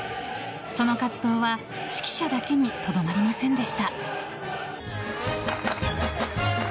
その活動は指揮者だけにとどまりませんでした。